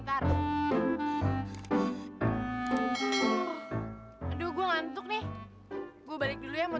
cecil cepet bukain talinya cepetan